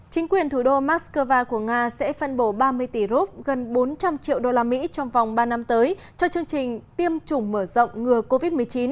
chính quyền thủ đô moscow của nga sẽ phân bổ ba mươi tỷ rút gần bốn trăm linh triệu đô la mỹ trong vòng ba năm tới cho chương trình tiêm chủng mở rộng ngừa covid một mươi chín